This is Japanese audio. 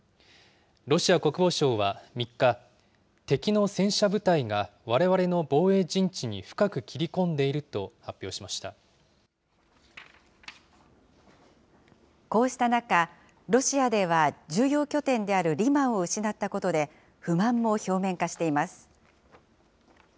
ロシア国防省は３日、敵の戦車部隊がわれわれの防衛陣地に深く切り込んでいると発表しこうした中、ロシアでは重要拠点であるリマンを失ったことで、不満も表面化しています。